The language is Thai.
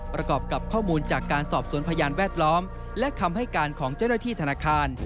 ประกอบกับข้อมูลจากการสอบสวนพยานแวดล้อมและคำให้การของเจ้าหน้าที่ธนาคาร